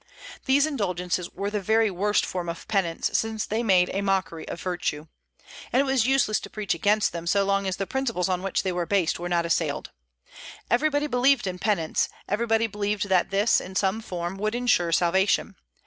These indulgences were the very worst form of penance, since they made a mockery of virtue. And it was useless to preach against them so long as the principles on which they were based were not assailed. Everybody believed in penance; everybody believed that this, in some form, would insure salvation.